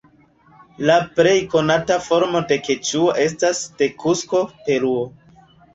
La plej konata formo de keĉua estas de Kusko, Peruo.